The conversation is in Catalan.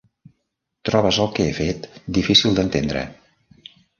Trobes el que he fet difícil d'entendre.